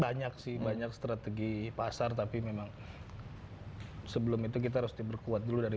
banyak sih banyak strategi pasar tapi memang sebelum itu kita harus diperkuat dulu dari